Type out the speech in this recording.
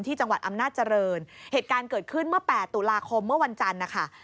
จังหวัดอำนาจเจริญเหตุการณ์เกิดขึ้นเมื่อ๘ตุลาคมเมื่อวันจันทร์นะคะ